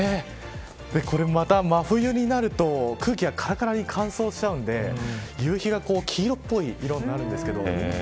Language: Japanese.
これ、真冬になると空気が乾燥しちゃうので夕日が黄色っぽい色になるんです。